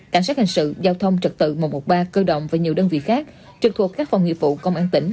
cảnh sát hình sự giao thông trật tự một trăm một mươi ba cơ động và nhiều đơn vị khác trực thuộc các phòng nghiệp vụ công an tỉnh